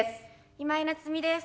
今井菜津美です。